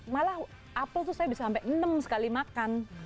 malah apel tuh saya bisa sampai enam sekali makan